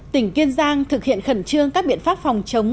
tỉnh kiên giang thực hiện khẩn trương các biện pháp phòng chống